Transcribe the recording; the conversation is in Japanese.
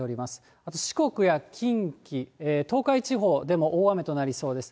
また四国や近畿、東海地方でも大雨となりそうです。